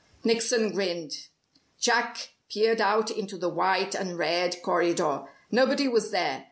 Nickson grinned. Jack peered out into the white and red corridor. Nobody was there.